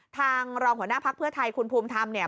รองหัวหน้าพักเพื่อไทยคุณภูมิธรรมเนี่ย